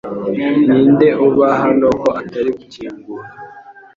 Ninde uba hano ko atari gukingura?